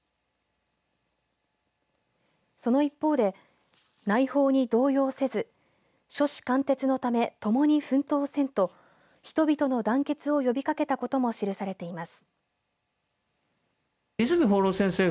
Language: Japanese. その一方で内報に動揺せず初志貫徹のため共に奮斗せんと人々の団結を呼びかけたことも記されています。